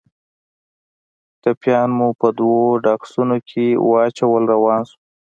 ټپيان مو په دوو ډاټسنو کښې واچول روان سو.